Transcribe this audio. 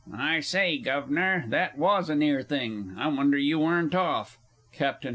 I say, Guvnor, that was a near thing. I wonder you weren't off. CAPT. H.